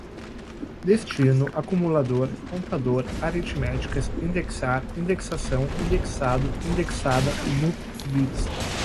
destino, acumulador, contador, aritméticas, indexar, indexação, indexado, indexada, loop, bits